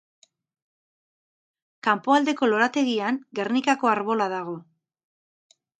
Kanpoaldeko lorategian Gernikako Arbola dago.